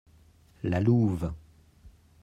La louve.